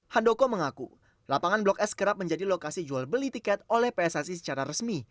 handoko mengaku lapangan blok s kerap menjadi lokasi jual beli tiket oleh pssi secara resmi